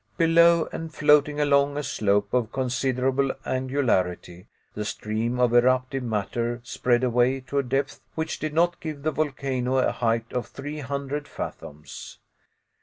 Below, and floating along a slope of considerable angularity, the stream of eruptive matter spread away to a depth which did not give the volcano a height of three hundred fathoms.